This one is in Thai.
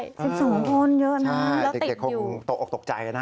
๑๒คนเยอะนะแล้วติดอยู่ใช่เด็กคงตกออกตกใจ